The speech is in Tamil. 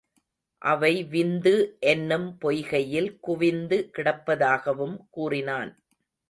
அவை விந்து என்னும் பொய்கையில் குவிந்து கிடப்பதாகவும் கூறினான்.